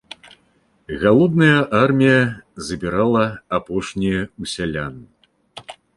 Галодная армія забірала апошняе ў сялян.